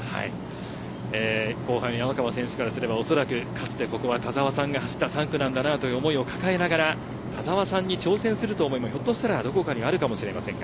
後輩の山川選手からすればここはかつて田澤さんが走った３区なんだなという思いを抱えながら田澤さんに挑戦するという思いがひょっとしたらどこかにあるかもしれません。